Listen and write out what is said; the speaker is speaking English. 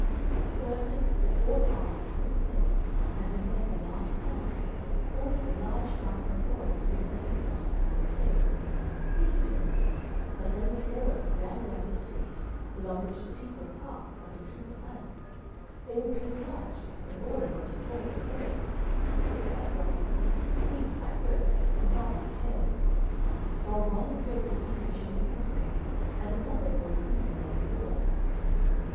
So at length the poor father, at wit's end, and to make a last trial, ordered a large fountain of oil to be set in front of the palace gates, thinking to himself that when the oil ran down the street, along which the people passed like a troop of ants, they would be obliged, in order not to soil their clothes, to skip like grasshoppers, leap like goats, and run like hares; while one would go picking and choosing his way, and another go creeping along the wall.